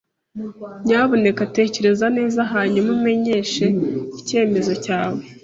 Nyamuneka tekereza neza hanyuma umenyeshe icyemezo cyawe.